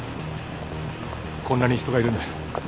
こんなに人がいるんだ。